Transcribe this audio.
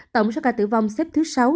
tổng số ca tử vong xếp thứ sáu